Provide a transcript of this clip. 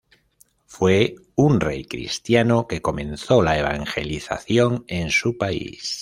Fue un rey cristiano que comenzó la evangelización en su país.